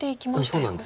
そうなんです。